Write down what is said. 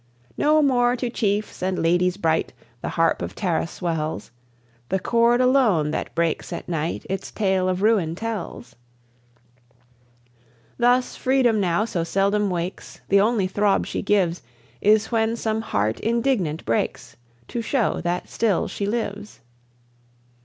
No more to chiefs and ladies bright The harp of Tara swells; The chord alone, that breaks at night, Its tale of ruin tells. Thus Freedom now so seldom wakes, The only throb she gives Is when some heart indignant breaks, To show that still she lives.